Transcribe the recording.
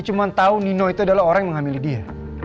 cuma tahu nino itu adalah orang yang menghamili dia